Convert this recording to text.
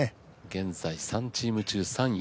現在３チーム中３位。